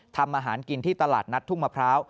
ทำอาหารกินที่ตลาดนัดทุ่งมะพร้าว